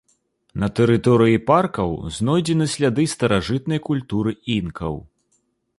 На тэрыторыі паркаў знойдзены сляды старажытнай культуры інкаў.